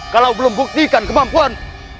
kalau belum buktikan kemampuan